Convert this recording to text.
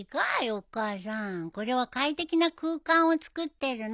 お母さんこれは快適な空間をつくってるの。